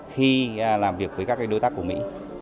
khi làm việc với các đối tác của mỹ